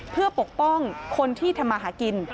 เพื่อปกป้องคนที่ทำมาหากิน